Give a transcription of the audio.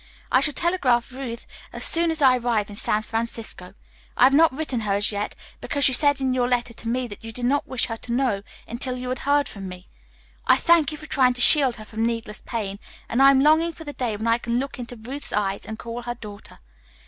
I shall telegraph Ruth as soon as I arrive in San Francisco. I have not written her as yet, because you said in your letter to me that you did not wish her to know until you had heard from me. I thank you for trying to shield her from needless pain, and I am longing for the day when I can look into Ruth's eyes and call her daughter.